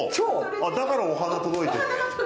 だからお花届いてるべ？